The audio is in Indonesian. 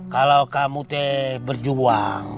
kalau kamu tuh berjuang